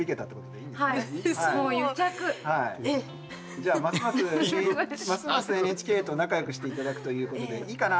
じゃあますますＮＨＫと仲よくして頂くということでいいかな？